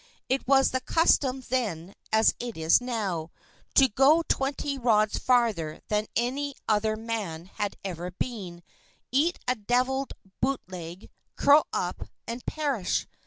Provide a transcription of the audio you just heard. It was the custom then as it is now, to go twenty rods farther than any other man had ever been, eat a deviled bootleg, curl up, and perish.